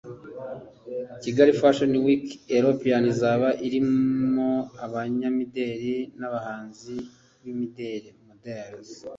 Kigali Fashion Week Europe izaba irimo abanyamideli n’abahanzi b’imideli (models